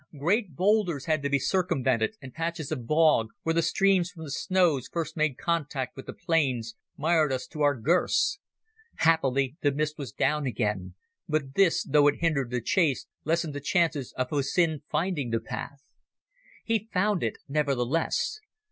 Great boulders had to be circumvented, and patches of bog, where the streams from the snows first made contact with the plains, mired us to our girths. Happily the mist was down again, but this, though it hindered the chase, lessened the chances of Hussin finding the path. He found it nevertheless.